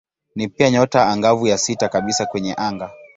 Ni pia nyota angavu ya sita kabisa kwenye anga.